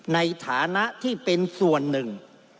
ในฐานะที่เป็นส่วนหนึ่ง